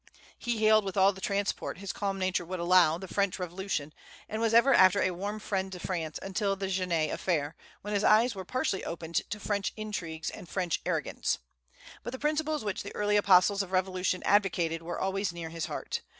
He hailed, with all the transport his calm nature would allow, the French Revolution, and was ever after a warm friend to France until the Genet affair, when his eyes were partially opened to French intrigues and French arrogance. But the principles which the early apostles of revolution advocated were always near his heart.